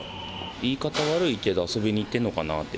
言い方悪いけど、遊びに行ってるのかなって。